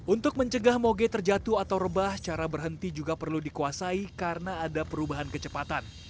untuk mencegah moge terjatuh atau rebah cara berhenti juga perlu dikuasai karena ada perubahan kecepatan